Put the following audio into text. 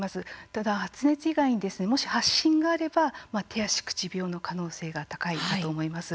ただ発熱以外にもし発疹があれば手足口病の可能性が高いんだと思います。